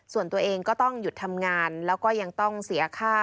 ส่วนตัวเองก็ต้องหยุดทำงานแล้วก็ยังต้องเสียค่า